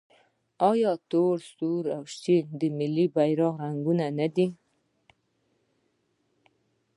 آیا تور، سور او شین د ملي بیرغ رنګونه نه دي؟